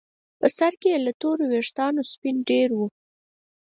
په سر کې یې له تورو ویښتانو سپین ډیر وو.